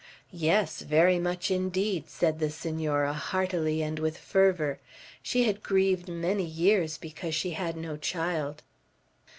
"Yes, very much indeed," said the Senora, heartily and with fervor. "She had grieved many years because she had no child."